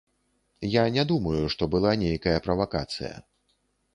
Я не думаю, што была нейкая правакацыя.